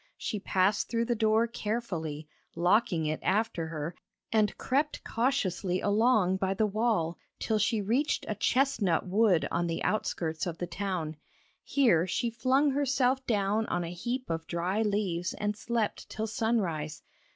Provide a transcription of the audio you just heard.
She passed through the door carefully, locking it after her, and crept cautiously along by the wall till she reached a chestnut wood on the outskirts of the town. Here she flung herself down on a heap of dry leaves and slept till sunrise.